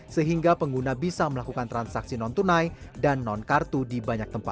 sehingga pengguna bisa melakukan transaksi non tunai dan non kartu di banyak tempat